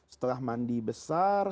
setelah mandi besar